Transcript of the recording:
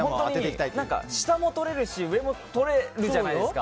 下もとれるし上もとれるじゃないですか。